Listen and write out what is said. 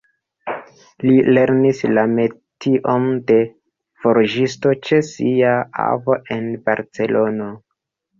Li lernis la metion de forĝisto ĉe sia avo en Barcelono.